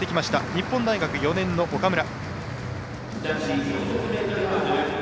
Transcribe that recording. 日本大学４年の岡村。